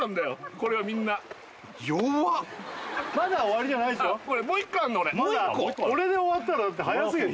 これで終わったら早すぎるよ